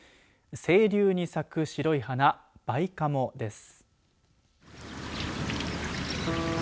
清流に咲く白い花バイカモです。